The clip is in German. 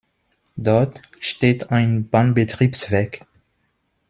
Dort steht ein Bahnbetriebswerk.